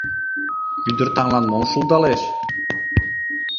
Ӱдыр-таҥлан мо шулдалеш!